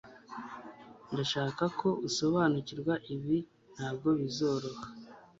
ndashaka ko usobanukirwa ibi ntabwo bizoroha